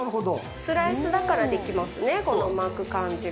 スライスだからできますね、この巻く感じが。